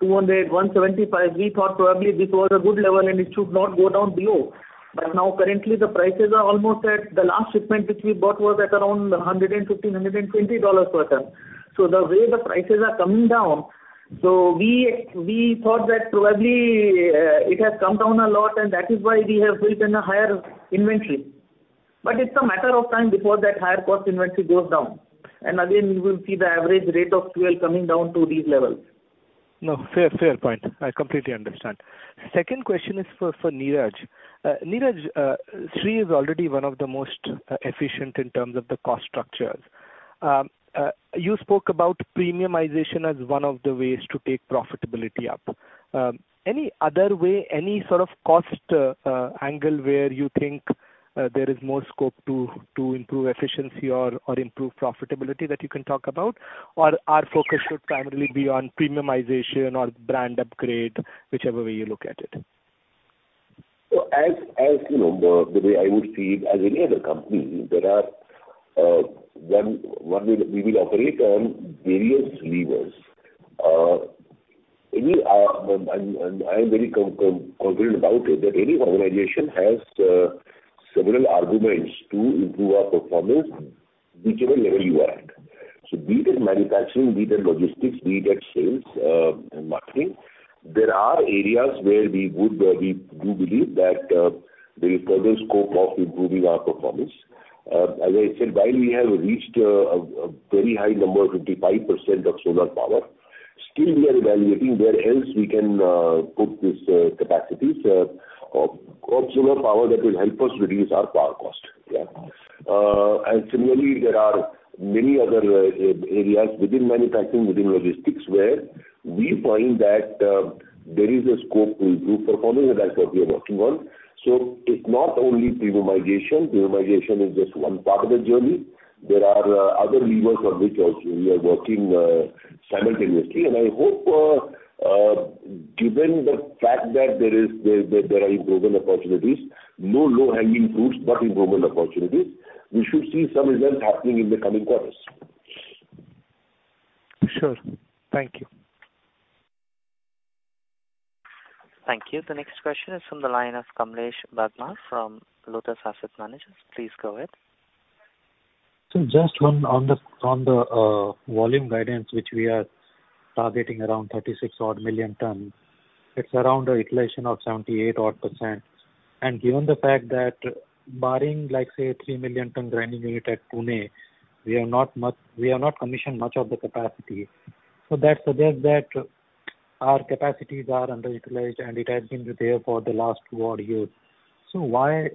$175, we thought probably this was a good level and it should not go down below. Now currently the prices are almost at the last shipment, which we bought was at around $115, $120 per ton. The way the prices are coming down, so we thought that probably, it has come down a lot and that is why we have built in a higher inventory. It's a matter of time before that higher cost inventory goes down, and again we will see the average rate of fuel coming down to these levels. No. Fair, fair point. I completely understand. Second question is for Neeraj. Neeraj, Shree is already one of the most efficient in terms of the cost structures. You spoke about premiumization as one of the ways to take profitability up. Any other way, any sort of cost angle where you think there is more scope to improve efficiency or improve profitability that you can talk about? Or our focus should primarily be on premiumization or brand upgrade, whichever way you look at it. As, as you know, the way I would see it, as any other company, there are one way that we will operate on various levers. Any, and I am very confident about it that any organization has several arguments to improve our performance, whichever level you are at. So be that manufacturing, be that logistics, be that sales and marketing, there are areas where we would, we do believe that there is further scope of improving our performance. As I said, while we have reached a very high number of 55% of solar power, still we are evaluating where else we can put these capacities of solar power that will help us reduce our power cost. Yeah. Similarly, there are many other areas within manufacturing, within logistics, where we find that there is a scope to improve performance, and that's what we are working on. It's not only premiumization. Premiumization is just one part of the journey. There are, other levers on which also we are working simultaneously. I hope, given the fact that there are improvement opportunities, no low-hanging fruits, but improvement opportunities, we should see some results happening in the coming quarters. Sure. Thank you. Thank you. The next question is from the line of Kamlesh Bagmar from Lotus Asset Managers. Please go ahead. just one on the, on the volume guidance, which we are targeting around 36 odd million tons. It's around a utilization of 78% odd. given the fact that barring, like, say, 3 million ton grinding unit at Pune, we have not commissioned much of the capacity. that suggests that our capacities are underutilized, and it has been there for the last two odd years. Why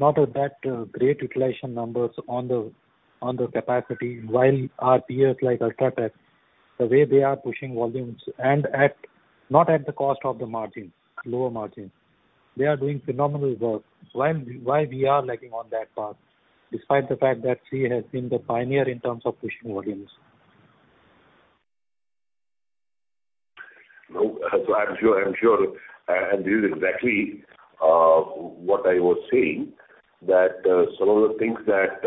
not at that great utilization numbers on the capacity while our peers like UltraTech, the way they are pushing volumes and at, not at the cost of the margins, lower margins. They are doing phenomenal work. Why we are lagging on that part, despite the fact that Shree has been the pioneer in terms of pushing volumes? No, I'm sure, I'm sure, and this is exactly what I was saying, that some of the things that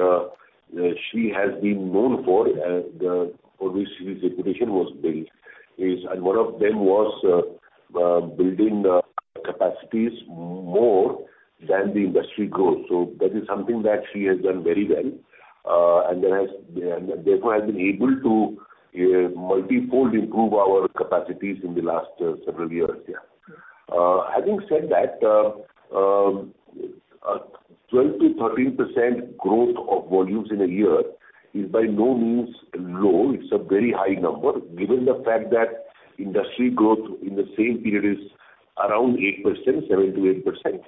Shree has been known for and for which Shree's reputation was built is, and one of them was building capacities more than the industry growth. That is something that Shree has done very well. Then has, and therefore has been able to, multifold improve our capacities in the last, several years. Yeah. Sure. Having said that, 12% to 13% growth of volumes in a year is by no means low. It's a very high number, given the fact that industry growth in the same period is around 8%, 7% to 8%.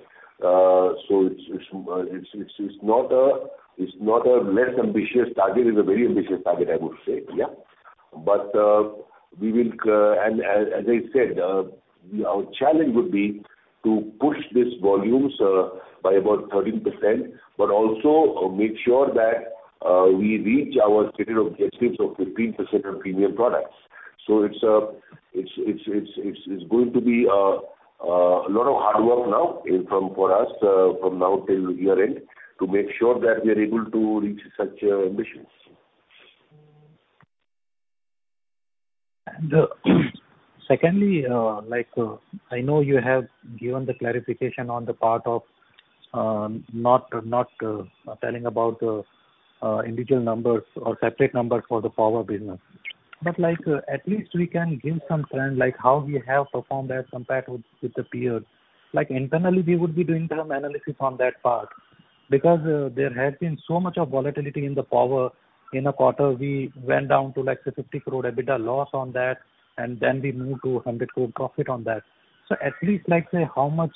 It's not a less ambitious target. It's a very ambitious target, I would say. Yeah. We will, and as I said, our challenge would be to push these volumes by about 13% but also make sure that we reach our stated objectives of 15% of premium products. It's going to be a lot of hard work now from, for us, from now till year-end to make sure that we are able to reach such ambitions. Secondly, like, I know you have given the clarification on the part of not telling about the individual numbers or separate numbers for the power business. Like, at least we can give some trend like how we have performed as compared with the peers. Like, internally we would be doing some analysis on that part because there has been so much of volatility in the power in a quarter. We went down to, like, say, 50 crore EBITDA loss on that, and then we moved to 100 crore profit on that. At least, like, say, how much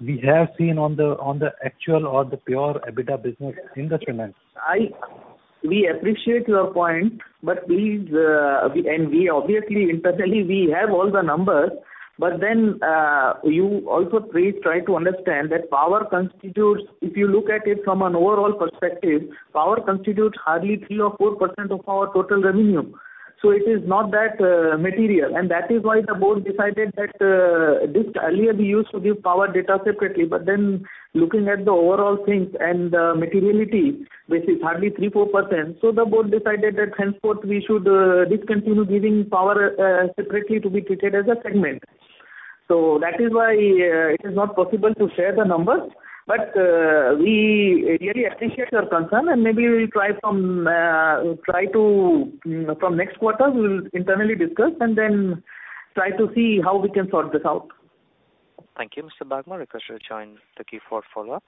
we have seen on the actual or the pure EBITDA business in the finance. We appreciate your point, please. We obviously internally, we have all the numbers, you also please try to understand that power constitutes, if you look at it from an overall perspective, power constitutes hardly 3% or 4% of our total revenue. It is not that material. That is why the Board decided that this earlier we used to give power data separately, looking at the overall things and the materiality, which is hardly 3%, 4%, the Board decided that henceforth we should discontinue giving power separately to be treated as a segment. That is why it is not possible to share the numbers. We really appreciate your concern, and maybe we'll try from try to. From next quarter, we'll internally discuss and then try to see how we can sort this out. Thank you. Mr. Bagmar, we request you to join the fourth quarter follow-up.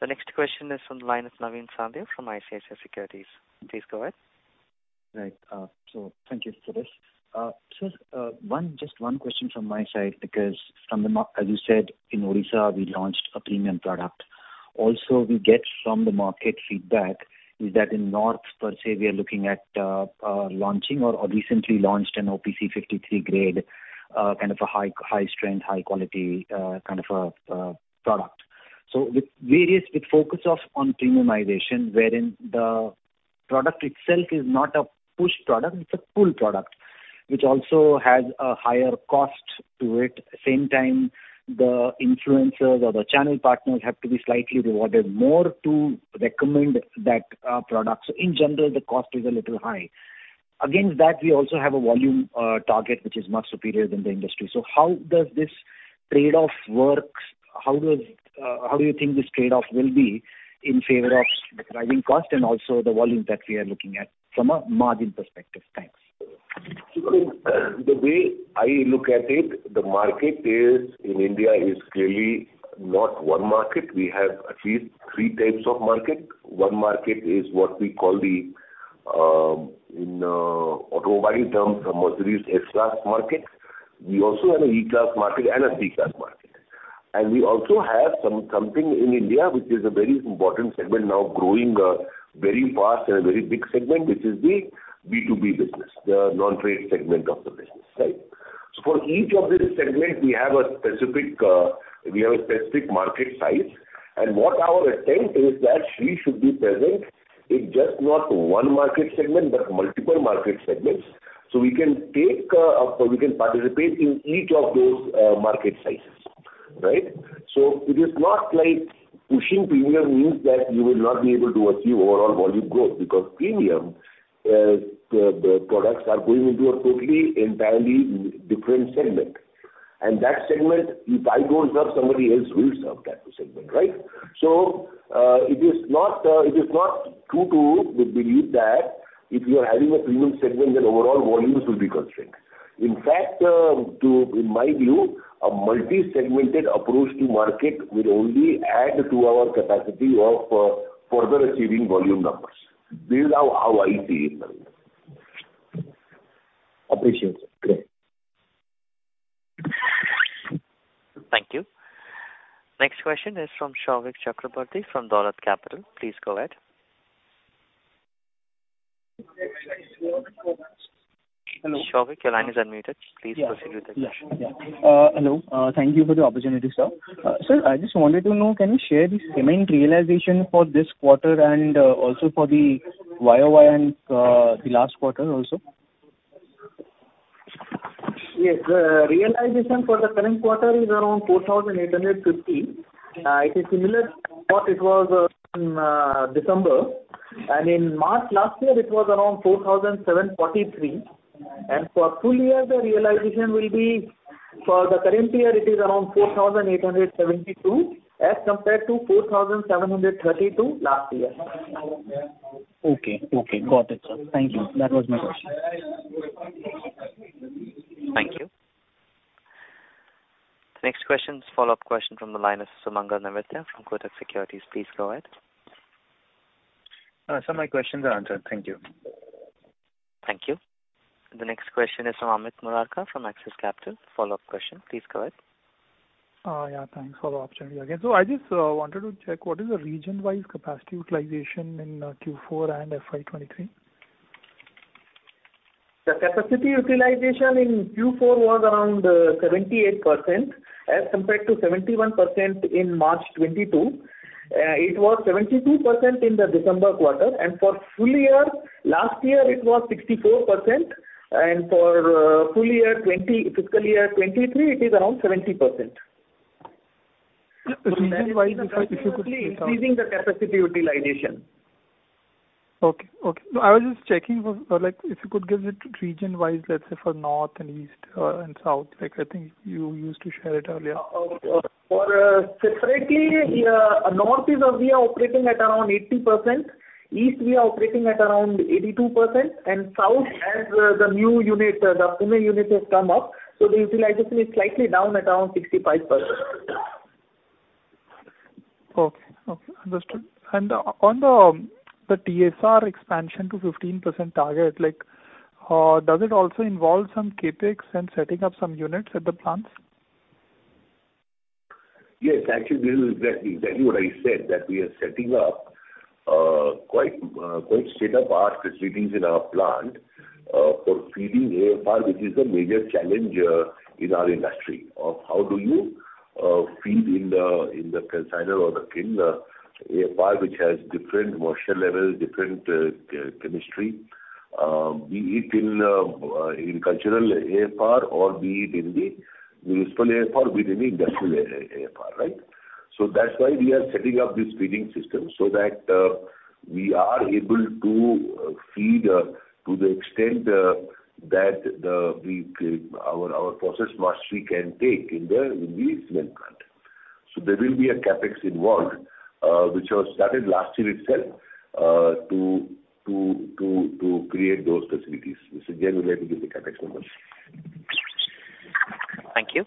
The next question is from the line of Navin Sahadeo from ICICI Securities. Please go ahead. Right. Thank you for this. just one question from my side because as you said in Odisha we launched a premium product. Also, we get from the market feedback is that in north per se we are looking at, launching or recently launched an OPC 53 grade, kind of a high strength, high quality, kind of a product. With various, with focus of on premiumization, wherein the product itself is not a push product, it's a pull product which also has a higher cost To it. Same time, the influencers or the channel partners have to be slightly rewarded more to recommend that product. In general, the cost is a little high. Against that, we also have a volume target which is much superior than the industry. How does this trade-off works? How do you think this trade-off will be in favor of the driving cost and also the volumes that we are looking at from a margin perspective? Thanks. The way I look at it, the market is, in India is clearly not one market. We have at least three types of market. One market is what we call the, in automobile terms, a Mercedes S-Class market. We also have an E-class market and a C-class market. We also have something in India, which is a very important segment now growing very fast and a very big segment, which is the B2B business, the non-trade segment of the business. Right? For each of these segments, we have a specific, we have a specific market size. What our attempt is that Shree should be present in just not one market segment, but multiple market segments, so we can take, or we can participate in each of those market sizes. Right? It is not like pushing premium means that you will not be able to achieve overall volume growth because premium the products are going into a totally, entirely different segment. That segment, if I don't serve, somebody else will serve that segment, right? It is not it is not true to believe that if you are having a premium segment, then overall volumes will be constrained. In fact, in my view, a multi-segmented approach to market will only add to our capacity of further achieving volume numbers. This is how I see it. Appreciate it. Great. Thank you. Next question is from Shouvik Chakraborty from Dolat Capital. Please go ahead. Hello. Shouvik, your line is unmuted. Please proceed with the question. Yeah. Hello. Thank you for the opportunity, sir. Sir, I just wanted to know, can you share the cement realization for this quarter and also for the Y-o-Y and the last quarter also? Yes. Realization for the current quarter is around 4,850. It is similar to what it was December. In March last year, it was around 4,743. For full year, the realization will be, for the current year, it is around 4,872 as compared to 4,732 last year. Okay. Okay. Got it, sir. Thank you. That was my question. Thank you. Next question is a follow-up question from the line of Sumangal Nevatia from Kotak Securities. Please go ahead. Sir, my questions are answered. Thank you. Thank you. The next question is from Amit Marwaha from Axis Capital. Follow-up question. Please go ahead. Yeah, thanks for the opportunity again. I just wanted to check what is the region-wise capacity utilization in fourth quarter and FY 2023. The capacity utilization in fourth quarter was around, 78% as compared to 71% in March 2022. It was 72% in the December quarter. For full year, last year it was 64%. For, full year 2023, fiscal year 2023, it is around 70%. Region-wise... Constantly increasing the capacity utilization. Okay. Okay. No, I was just checking for, like, if you could give it region-wise, let's say for North and East, and South. Like, I think you used to share it earlier. For, separately, North is, we are operating at around 80%. East, we are operating at around 82%. South, as the new unit, the Pune unit has come up, so the utilization is slightly down at around 65%. Okay. Okay. Understood. On the TSR expansion to 15% target, like, does it also involve some CapEx and setting up some units at the plants? Yes. Actually, this is exactly what I said, that we are setting up quite state-of-art facilities in our plant for feeding AFR, which is a major challenge in our industry, of how do you feed in the consignor or the bin AFR which has different moisture levels, different chemistry, be it in cultural AFR or be it in the municipal AFR, be it in industrial AFR, right? That's why we are setting up this feeding system so that we are able to feed to the extent that our process mastery can take in the cement plant. There will be a CapEx involved, which was started last year itself to create those facilities. Mr. Jay will be able to give the CapEx numbers. Thank you.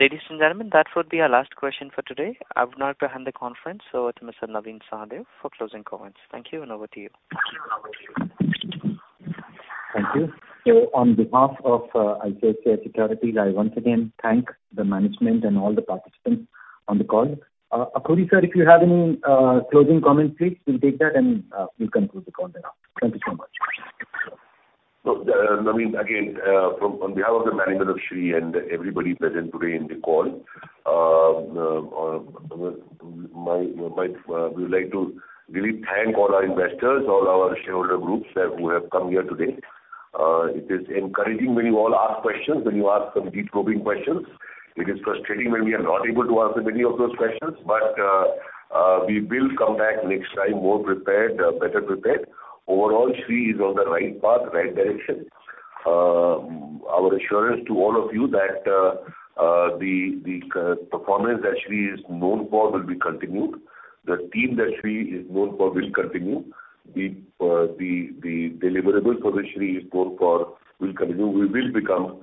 Ladies and gentlemen, that would be our last question for today. I would now hand the conference over to Mr. Navin Sahadeo for closing comments. Thank you and over to you. Thank you. On behalf of ICICI Securities, I once again thank the management and all the participants on the call. Akhoury sir, if you have any closing comments, please, we'll take that and we'll conclude the call then after. Thank you so much. Naveen, again, from, on behalf of the management of Shree and everybody present today in the call, we would like to really thank all our investors, all our shareholder groups that, who have come here today. It is encouraging when you all ask questions, when you ask some deep-probing questions. It is frustrating when we are not able to answer many of those questions. We will come back next time more prepared, better prepared. Overall, Shree is on the right path, right direction. Our assurance to all of you that, the performance that Shree is known for will be continued. The team that Shree is known for will continue. The deliverable for which Shree is known for will continue. We will become;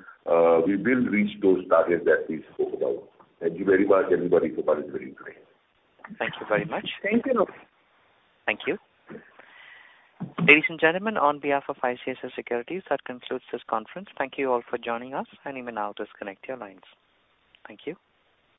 we will reach those targets that we spoke about. Thank you very much, everybody, for participating today. Thank you very much. Thank you, Navin. Thank you. Ladies and gentlemen, on behalf of ICICI Securities, that concludes this conference. Thank you all for joining us. You may now disconnect your lines. Thank you.